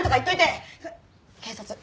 警察！